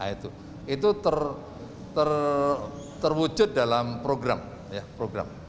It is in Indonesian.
itu terwujud dalam program